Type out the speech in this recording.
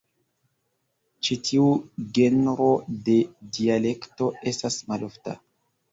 Ĉi tiu genro de dialekto estas malofta.